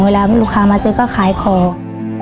เวลาลูกค้ามาซื้อก็ขายของ